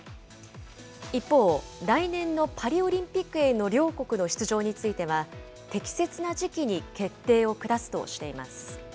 一方、来年のパリオリンピックへの両国の出場については、適切な時期に決定を下すとしています。